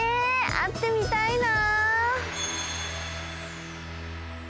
あってみたいな！